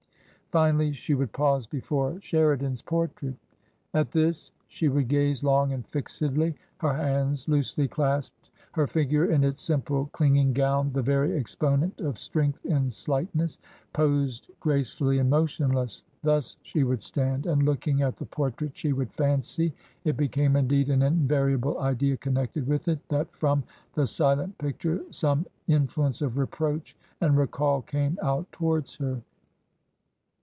Finally, she would pause before Sheridan's portrait. At this she would gaze long and fixedly, her hands loosely clasped, her figure in its simple clinging gown the very exponent of strength in slightness; posed grace TRANSITION. 201 fully and motionless, thus she would stand, and, looking at the portrait, she would fancy — it became, indeed, an invariable idea connected with it — ^that from the silent picture some influence of reproach and recall came out towards her.